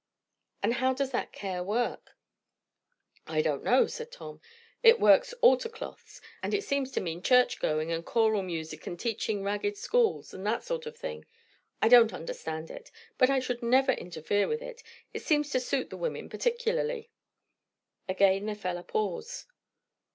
"And how does that care work?" "I don't know," said Tom. "It works altar cloths; and it seems to mean church going, and choral music, and teaching ragged schools; and that sort of thing. I don't understand it; but I should never interfere with it. It seems to suit the women particularly." Again there fell a pause.